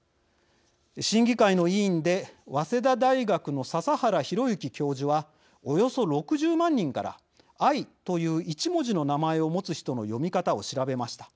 審議会の委員で早稲田大学の笹原宏之教授はおよそ６０万人から「愛」という１文字の名前を持つ人の読み方を調べました。